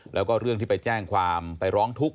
แล้วก็เรื่องที่ไปแจ้งความไปร้องทุกข์